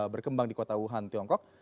berkembang di kota wuhan tiongkok